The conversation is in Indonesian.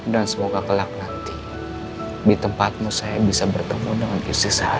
dan semoga gelap nanti ditempatmu saya bisa bertemu dengan istri saya